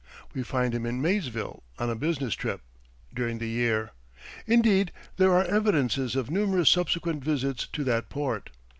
We find him in Maysville, on a business trip, during the year; indeed, there are evidences of numerous subsequent visits to that port.